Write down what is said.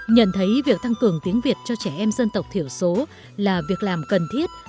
nhận thấy việc tăng cường tiếng việt cho trẻ em dân tộc thiểu số là việc làm cần thiết